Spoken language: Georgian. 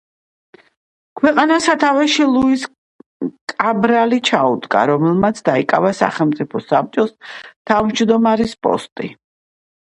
ქვეყანას სათავეში ლუის კაბრალი ჩაუდგა, რომელმაც დაიკავა სახელმწიფო საბჭოს თავმჯდომარის პოსტი.